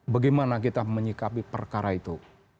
bagaimana kita menyikapi perkara itu